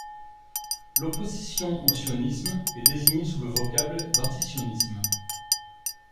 L'opposition au sionisme est désignée sous le vocable d'antisionisme.